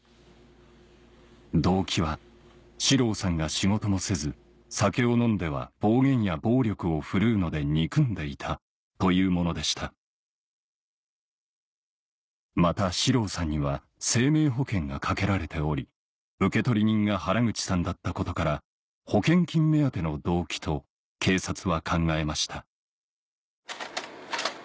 動機は「四郎さんが仕事もせず酒を飲んでは暴言や暴力を振るうので憎んでいた」というものでしたまた四郎さんには生命保険がかけられており受取人が原口さんだったことから保険金目当ての動機と警察は考えました